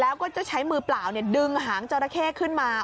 แล้วก็จะใช้มือเปล่าดึงหางจราเข้ขึ้นมา